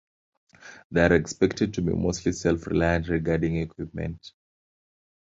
They are expected to be mostly self-reliant regarding equipment.